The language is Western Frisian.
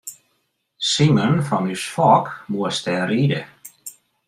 Simen fan ús Fok moast dêr ride.